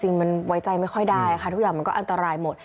จริงมันไว้ใจไม่ค่อยได้ค่ะทุกอย่างมันก็อันตรายหมด